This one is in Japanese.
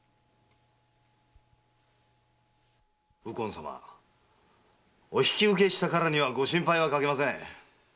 右近様お引き受けしたからにはご心配はかけません。